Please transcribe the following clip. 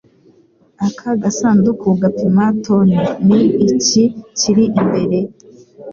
Aka gasanduku gapima toni. Ni iki kiri imbere?